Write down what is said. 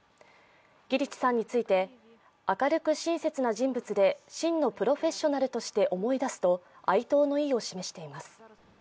ギリチさんについて、明るく親切な人物で真のプロフェッショナルとして思い出すと哀悼の意を示しています。